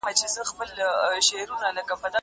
زه پرون قلم استعمالوموم وم؟